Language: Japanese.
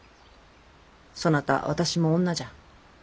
そなた私も女じゃ。